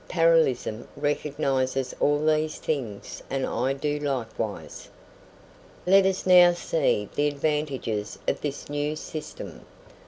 Parallelism recognises all these things, and I do likewise. Let us now see the advantages of this new system.